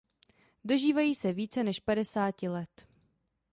Dožívají se více než padesáti let.